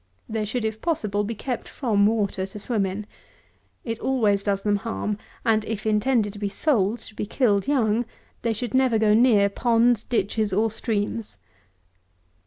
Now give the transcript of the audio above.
They should, if possible, be kept from water to swim in. It always does them harm; and, if intended to be sold to be killed young, they should never go near ponds, ditches, or streams.